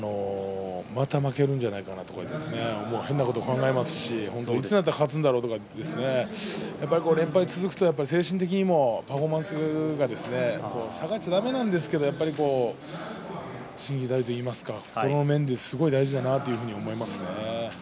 また負けるんじゃないかと変なこと考えますしいつになったら勝つんだろうと連敗が続くと精神的にもパフォーマンスも下がってはだめなんですけど心技体といいますか、その面ですごく大事だなと思いますね。